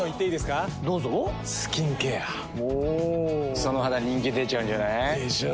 その肌人気出ちゃうんじゃない？でしょう。